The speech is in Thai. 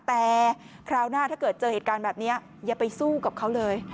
แต่คราวหน้าถ้าเกิดเจอเหตุการณ์แบบนี้อย่าไปสู้กับเขาเลย